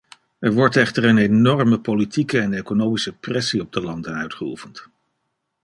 Er wordt echter een enorme politieke en economische pressie op de landen uitgeoefend.